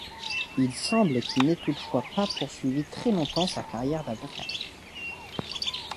Il semble qu'il n'ait toutefois pas poursuivi très longtemps sa carrière d'avocat.